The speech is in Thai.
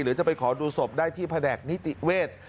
หรือจะไปขอดูศพได้ที่แผนกนิติเวทย์